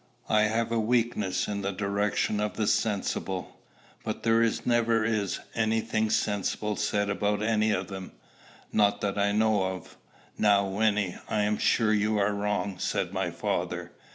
I have a weakness in the direction of the sensible." "But there never is any thing sensible said about any of them, not that I know of." "Now, Wynnie, I am sure you are wrong," said my father.